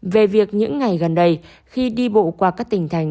về việc những ngày gần đây khi đi bộ qua các tỉnh thành